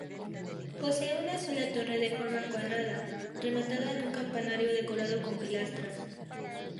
Posee una sola torre de forma cuadrada, rematada en un campanario decorado con pilastras.